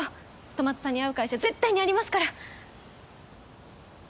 戸松さんに合う会社絶対にありますから。